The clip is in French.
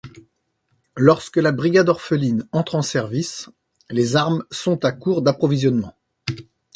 Lorsque la brigade orpheline entre en service, les armes sont à court d'approvisionnement.